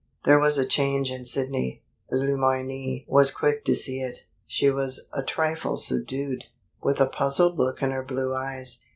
There was a change in Sidney. Le Moyne was quick to see it. She was a trifle subdued, with a puzzled look in her blue eyes.